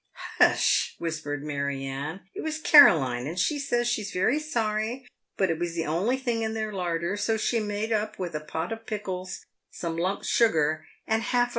" Hush !" whispered Mary Anne. " It was Caroline ; and she says she's very sorry, but it was the only thing in their larder, so she made up with a pot of pickles, some lump sugar, and half a.